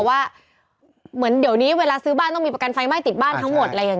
ว่าเหมือนเดี๋ยวนี้เวลาซื้อบ้านต้องมีประกันไฟไหม้ติดบ้านทั้งหมดอะไรอย่างนี้